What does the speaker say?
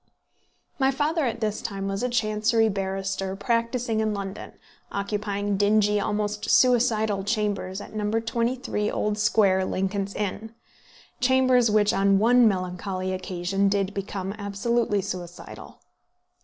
My father at this time was a Chancery barrister practising in London, occupying dingy, almost suicidal chambers, at No. 23 Old Square, Lincoln's Inn, chambers which on one melancholy occasion did become absolutely suicidal.